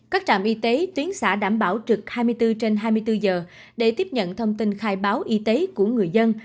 các trạm y tế tuyến xã đảm bảo trực hai mươi bốn trên hai mươi bốn giờ để tiếp nhận thông tin khai báo y tế của người dân